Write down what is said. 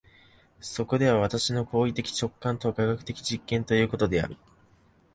そこでは私の行為的直観とは科学的実験ということである。